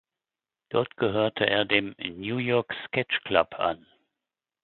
Dort gehörte er dem "New York Sketch Club" an.